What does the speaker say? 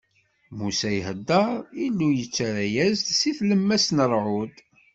Musa iheddeṛ, Illu yettarra-as-d si tlemmast n ṛṛɛud.